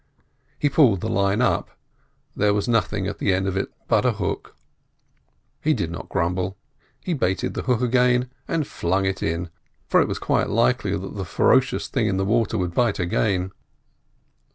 He pulled the line up: there was nothing at the end of it but a hook. He did not grumble; he baited the hook again, and flung it in, for it was quite likely that the ferocious thing in the water would bite again.